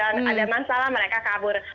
ada masalah mereka kabur